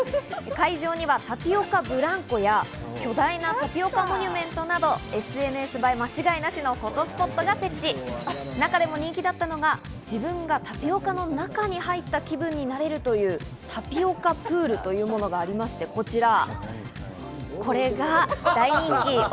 会場にはタピオカブランコや巨大なタピオカモニュメントなどＳＮＳ映え間違いなしのフォトスポットが設置、中でも人気だったのが自分がタピオカの中に入った気分になれるというタピオカプールというものがありまして、こちら。